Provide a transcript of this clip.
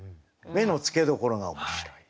目の付けどころが面白い。